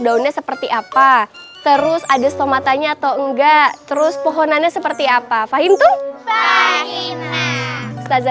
daunnya seperti apa terus ada stomatanya atau enggak terus pohonannya seperti apa fahim tuh